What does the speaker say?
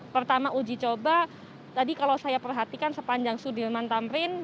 pertama uji coba tadi kalau saya perhatikan sepanjang sudirman tamrin